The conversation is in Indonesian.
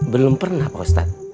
belum pernah pak ustadz